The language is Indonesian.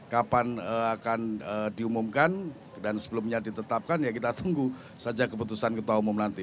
kapan akan diumumkan dan sebelumnya ditetapkan ya kita tunggu saja keputusan ketua umum nanti